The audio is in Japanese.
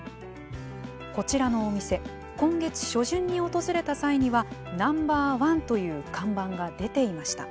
こちらのお店今月初旬に訪れた際にはＮｏ．１という看板が出ていました。